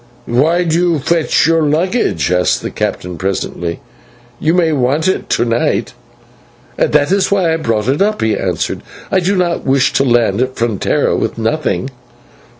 "Why do you fetch your baggage?" asked the captain presently, "you may want it to night." "That is why I brought it up," he answered. "I do not wish to land at Frontera with nothing."